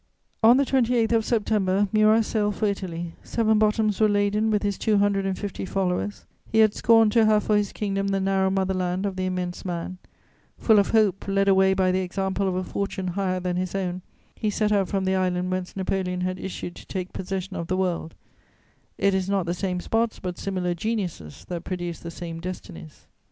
On the 28th of September, Murat sailed for Italy; seven bottoms were laden with his two hundred and fifty followers: he had scorned to have for his kingdom the narrow mother land of the immense man; full of hope, led away by the example of a fortune higher than his own, he set out from the island whence Napoleon had issued to take possession of the world: it is not the same spots, but similar geniuses, that produce the same destinies.